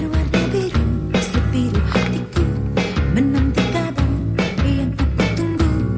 menanti kata yang ku ku tunggu